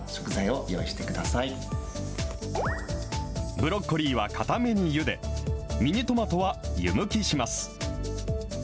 ブロッコリーは硬めにゆで、ミニトマトは湯むきします。